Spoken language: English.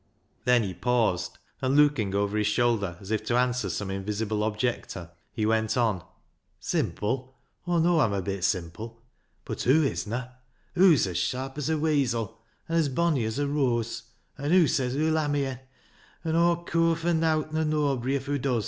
Then he paused, and looking over his shoulder as if to answer some invisible objector, he went on. " Simple ? Aw know Aw'm a bit simple, bud hoo isna? Hoo's as sharp as a weasel, an' as bonny as a rooase, and hoo says hoo'U ha' me, an' Aw cur fur nowt nor noabry if hoo does."